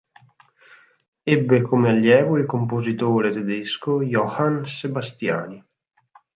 Ebbe come allievo il compositore tedesco Johann Sebastiani.